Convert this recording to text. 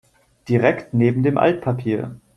Direkt neben dem Altpapier.